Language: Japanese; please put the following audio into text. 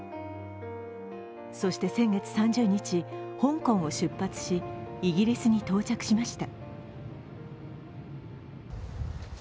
そして先月３０日、香港を出発し、イギリスに到着しました。